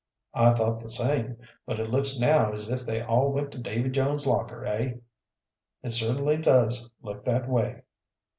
"I thought the same. But it looks now as if they all went to Davy Jones's locker, eh?" "It certainly does look that way."